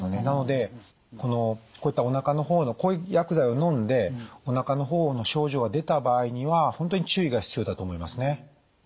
なのでこういったおなかの方のこういう薬剤をのんでおなかの方の症状が出た場合には本当に注意が必要だと思いますね。